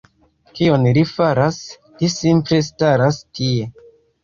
Kion li faras? Li simple staras tie!